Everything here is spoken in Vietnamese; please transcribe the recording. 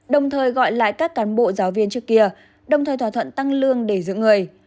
đồng thời gọi lại các cán bộ giáo viên trước kia đồng thời thỏa thuận tăng lương để giữ người